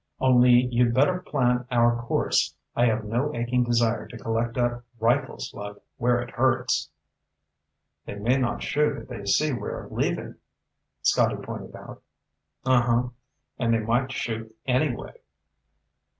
Only you'd better plan our course. I have no aching desire to collect a rifle slug where it hurts." "They may not shoot if they see we're leaving," Scotty pointed out. "Uh huh. And they might shoot, anyway."